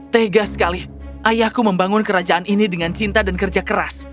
tega sekali ayahku membangun kerajaan ini dengan cinta dan kerja keras